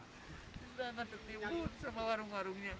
di sana tertimbun sama warung warungnya